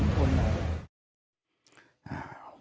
มีหลานสมคุณ